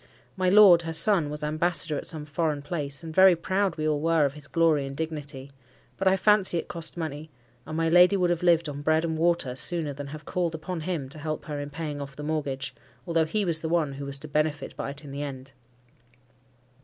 My lord, her son, was ambassador at some foreign place; and very proud we all were of his glory and dignity; but I fancy it cost money, and my lady would have lived on bread and water sooner than have called upon him to help her in paying off the mortgage, although he was the one who was to benefit by it in the end.